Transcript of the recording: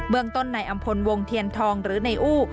เมืองต้นในอำพลวงเทียนทองหรือในอู้